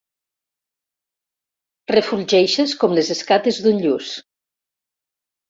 Refulgeixes com les escates d'un lluç.